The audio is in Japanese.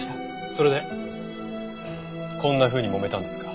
それでこんなふうに揉めたんですか？